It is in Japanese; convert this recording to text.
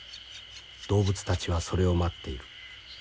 動物たちはそれを待っている。